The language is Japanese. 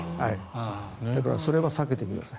だから、それは避けてください。